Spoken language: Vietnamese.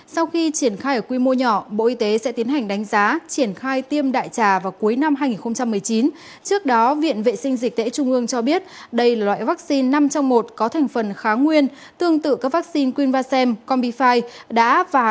sau khi triển khai ở quy mô nhỏ bộ y tế sẽ đưa tạp chất và tôm vào chương trình tiêm chủng mở rộng quốc gia